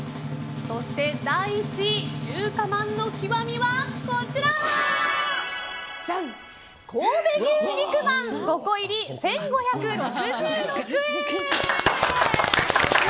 そして第１位、中華まんの極みは神戸牛肉まん５個入り１５６６円！